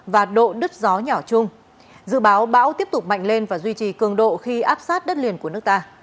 và độ đứt gió nhỏ chung dự báo bão tiếp tục mạnh lên và duy trì cường độ khi áp sát đất liền của nước ta